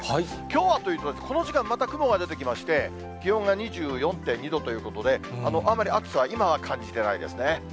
きょうはというと、この時間、また雲が出てきまして、気温が２４．２度ということで、あまり暑さ、今は感じてないですね。